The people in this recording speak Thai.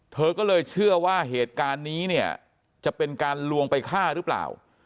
เธอก็เลยเชื่อว่าเหตุการณ์นี้เนี่ยจะเป็นการลวงไปฆ่าหรือเปล่า